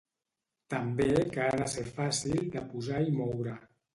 També que ha de ser fàcil de posar i moure.